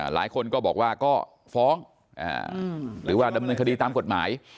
หลายคนก็บอกว่าก็ฟ้องหรือว่าดำเนินคดีตามกฎหมาย